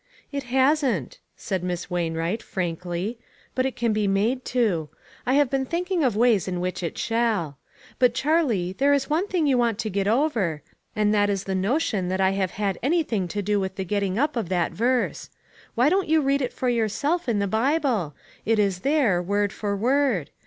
" It hasn't," said Miss Wainwright, frankly, "but it can be made to. I have been think ing of ways in which it shall. But, Charlie, there is one thing you want to get over, and that is the notion that I have had any thing to do with the getting up of that verse. Why don't you read it for yourself in the Bible ? It is there, word for word.